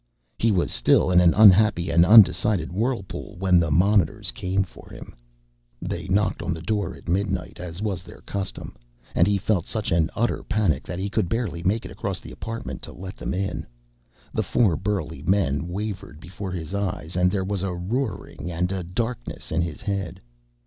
He was still in an unhappy and undecided whirlpool when the monitors came for him. They knocked on the door at midnight, as was their custom, and he felt such an utter panic that he could barely make it across the apartment to let them in. The four burly men wavered before his eyes, and there was a roaring and a darkness in his head.